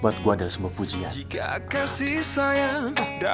buat gua adalah sembuh pujian